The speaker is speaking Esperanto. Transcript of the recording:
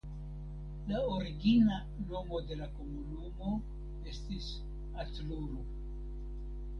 La origina nomo de la komunumo estis Atluru.